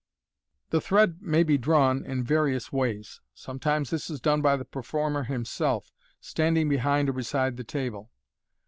The thread may be drawn in various ways. Sometimes this is MODERN MAGIC. 127 done by the performer himself, standing behind or beside the table.